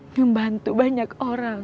ngebantu banyak orang